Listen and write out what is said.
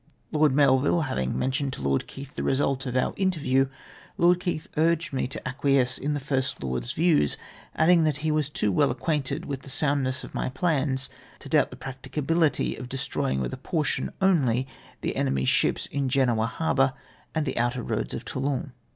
Lord Melville liavinu" mentioned to Lord Keith the result of our interview, Lord Keith m ged me to ac quiesce in the First Lord's views, adding, that he was too well acquainted with the soundness of my plans to doubt the practicability of destroying with a portion only the enemy's ships in Genoa harbour and the outer roads of Toulon.